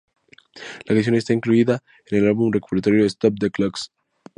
La canción está incluida en el álbum recopilatorio "Stop the Clocks".